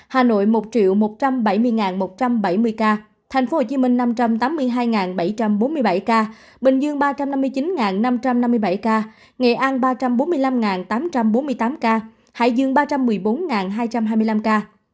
hà nội một một trăm bảy mươi một trăm bảy mươi ca tp hcm năm trăm tám mươi hai bảy trăm bốn mươi bảy ca bình dương ba trăm năm mươi chín năm trăm năm mươi bảy ca nghệ an ba trăm bốn mươi năm tám trăm bốn mươi tám ca hải dương ba trăm một mươi bốn hai trăm hai mươi năm ca